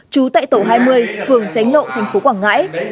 trú tại tổ hai mươi phường tránh lộ thành phố quảng ngãi